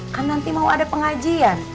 kan nanti mau ada pengajian